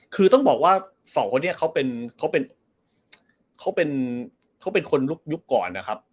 คือต้องบอกว่าเสาเนี่ยเขาเป็นคนยุคก่อนนะครับ